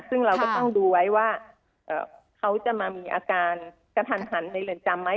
ซึ่งเราก็ต้องดูไว้ว่าเขาจะมามีอาการกระทันหันในเรือนจำไหม